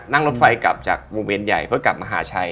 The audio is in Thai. นั่งรถไฟกลับจากวงเวียนใหญ่เพื่อกลับมหาชัย